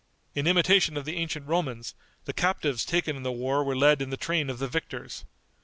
In imitation of the ancient Romans, the captives taken in the war were led in the train of the victors.